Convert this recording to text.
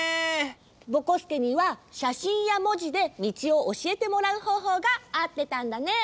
ぼこすけにはしゃしんやもじでみちをおしえてもらうほうほうがあってたんだね。